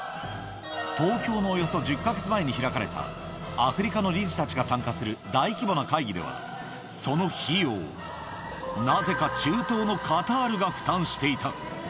投票のおよそ１０か月前に開かれた、アフリカの理事たちが参加する大規模な会議では、その費用をなぜか中東のカタールが負担していた。